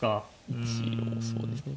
一応そうですね。